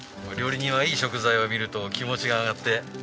料理人はいい食材を見ると気持ちが上がって。